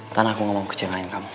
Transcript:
tanah aku ngomong kecengahin kamu